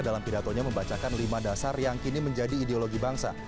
dalam pidatonya membacakan lima dasar yang kini menjadi ideologi bangsa